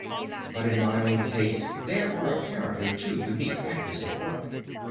But in my own case, there are apparently two unique factors at work.